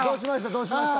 どうしました？